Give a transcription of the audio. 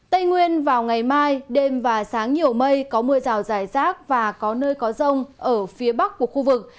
tây nguyên vào ngày mai đêm và sáng nhiều mây có mưa rào rải rác và có nơi có rông ở phía bắc của khu vực